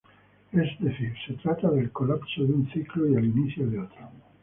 Es decir, se trata del colapso de un ciclo y el inicio de otro.